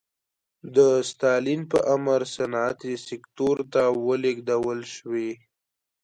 د ستالین په امر صنعت سکتور ته ولېږدول شوې.